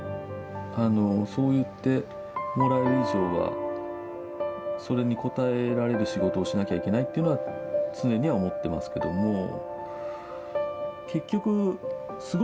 あのそう言ってもらえる以上はそれに応えられる仕事をしなきゃいけないというのは常には思ってますけども。